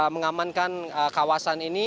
mengamankan kawasan ini